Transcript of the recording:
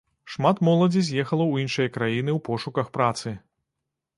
Шмат моладзі з'ехала ў іншыя краіны ў пошуках працы.